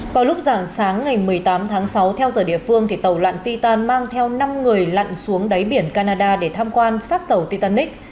vào lúc dạng sáng ngày một mươi tám tháng sáu theo giờ địa phương tàu lặn titan mang theo năm người lặn xuống đáy biển canada để tham quan sát tàu titanic